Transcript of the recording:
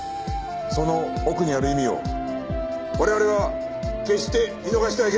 その奥にある意味を我々は決して見逃してはいけない。